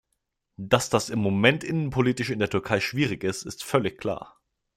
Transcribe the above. Dass das im Moment innenpolitisch in der Türkei schwierig ist, ist völlig klar.